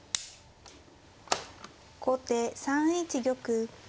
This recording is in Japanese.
後手３一玉。